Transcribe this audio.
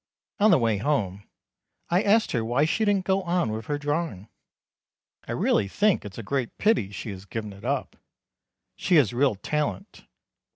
On the way home, I asked her why she didn't go on with her drawing. I really think it's a great pity she has given it up. She has real talent.